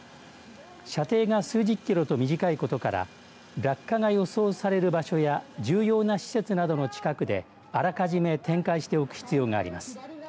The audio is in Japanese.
射程が数十キロと短いことから落下が予想される場所や重要な施設などの近くであらかじめ展開しておく必要があります。